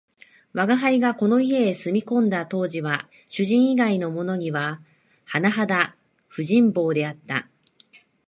吾輩がこの家へ住み込んだ当時は、主人以外のものにははなはだ不人望であった